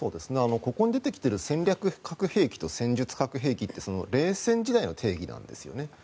ここに出てきている戦略核兵器と戦術核兵器って冷戦時代の定義なんですよね。